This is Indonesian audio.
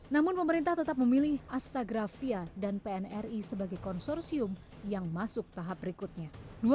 namun pemerintah tetap memilih astagrafia dan pnri sebagai konsorsium yang masuk tahap berikutnya